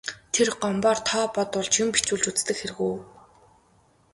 Тэр Гомбоор тоо бодуулж, юм бичүүлж үздэг хэрэг үү.